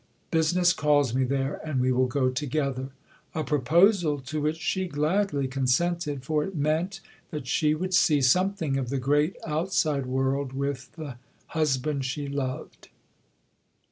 Business calls me there, and we will go together," a proposal to which she gladly consented, for it meant that she would see something of the great outside world with the husband she loved.